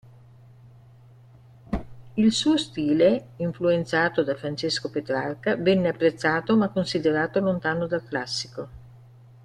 Il suo stile, influenzato da Francesco Petrarca, venne apprezzato ma considerato lontano dal classico.